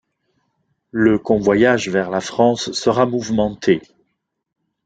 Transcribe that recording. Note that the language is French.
Le convoyage vers la France sera mouvementé.